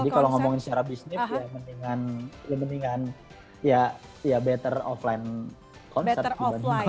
jadi kalau ngomongin secara bisnis ya mendingan ya better offline concert